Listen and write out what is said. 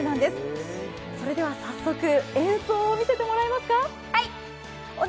早速演奏を見せてもらえますか。